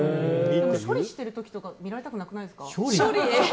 でも処理している時とか見られたくないですか？